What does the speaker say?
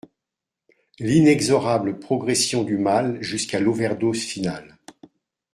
l’inexorable progression du mal jusqu’à l’overdose finale.